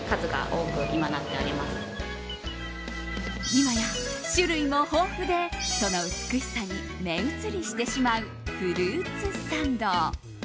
今や種類も豊富でその美しさに目移りしてしまうフルーツサンド。